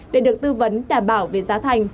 để được tư vấn đảm bảo về giá thành